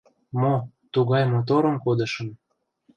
— Мо... тугай моторым кодышым...